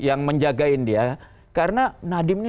yang menjagain dia karena nadiem ini